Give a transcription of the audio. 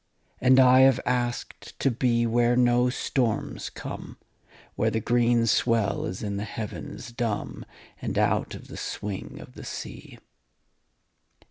And I have asked to be Where no storms come, Where the green swell is in the havens dumb, And out of the swing of the sea.